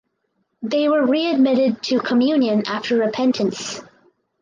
They were readmitted to communion after repentance.